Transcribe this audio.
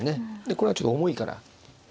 これはちょっと重いから。